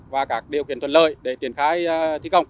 và các điều kiện thuận lợi để triển khai thi công